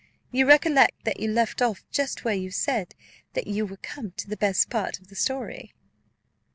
You recollect that you left off just where you said that you were come to the best part of the story."